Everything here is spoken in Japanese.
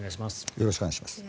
よろしくお願いします。